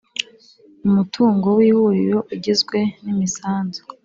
Umutungo w Ihuriro ugizwe n’imisanzu